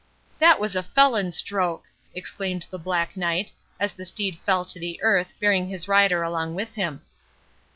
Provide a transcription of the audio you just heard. "That was a felon stroke!" exclaimed the Black Knight, as the steed fell to the earth, bearing his rider along with him.